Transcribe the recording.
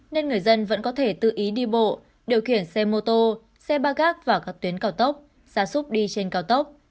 nên người dân vẫn có thể tự ý đi bộ điều khiển xe mô tô xe ba gác vào các tuyến cao tốc xa xúc đi trên cao tốc